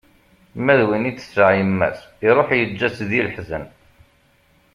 Ma d win i d-tesεa yemma-s, iruḥ yeǧǧa-t di leḥzen.